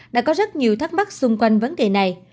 đã có rất nhiều thắc mắc xung quanh vấn đề này